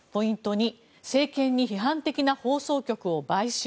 ２政権に批判的な放送局を買収。